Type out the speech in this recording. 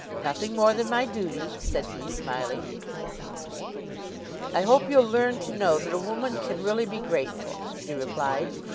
"Nothing more than my duty," said he, smiling. "I hope you'll learn to know that a woman can really be grateful," she replied.